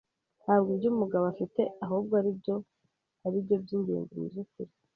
Ntabwo ibyo umugabo afite ahubwo aribyo aribyo byingenzi mubyukuri.